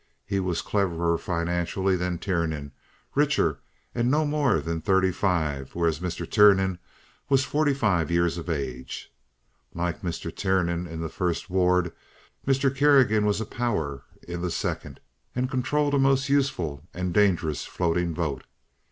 He was cleverer financially than Tiernan, richer, and no more than thirty five, whereas Mr. Tiernan was forty five years of age. Like Mr. Tiernan in the first ward, Mr. Kerrigan was a power in the second, and controlled a most useful and dangerous floating vote.